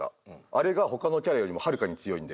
あれが他のキャラよりもはるかに強いんで。